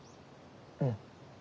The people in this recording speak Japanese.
うん。